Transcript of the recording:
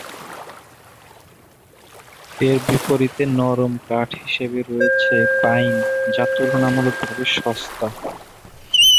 এর বিপরীতে নরম কাঠ হিসেবে রয়েছে পাইন যা তুলনামূলকভাবে সস্তা।